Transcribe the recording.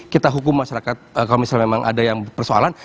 kita hukum masyarakat kalau misalnya memang ada yang persoalan